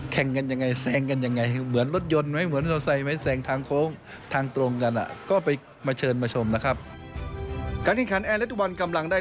แข่งกันยังไงแทร่งกันยังไง